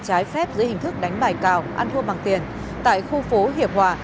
trái phép dưới hình thức đánh bài cào ăn thua bằng tiền tại khu phố hiệp hòa